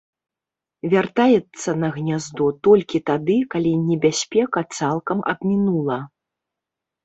Вяртаецца на гняздо толькі тады, калі небяспека цалкам абмінула.